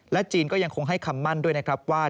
จีนก็ยังคงให้คำมั่นด้วยนะครับว่า